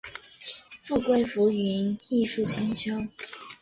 富贵浮云，艺术千秋